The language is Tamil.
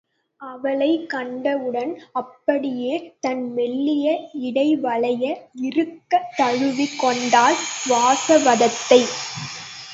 அவளைக் கண்டவுடன் அப்படியே தன் மெல்லிய இடைவளைய இறுகத் தழுவிக் கொண்டாள் வாசவதத்தை.